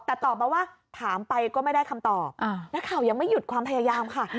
แต่ตอบมาว่าถามไปก็ไม่ได้คำตอบนักข่าวยังไม่หยุดความพยายามค่ะ